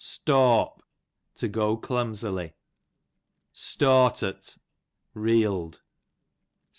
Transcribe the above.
Stawp, to go clumsily. Stawtert, reeled.